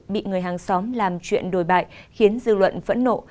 bị người hàng xóm làm chuyện đồi bại khiến dư luận phẫn nộ